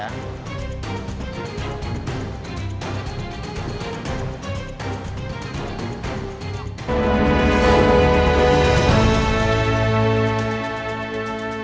hantaran yang terjadi